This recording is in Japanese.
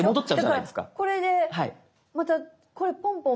だからこれでまたこれポンポン。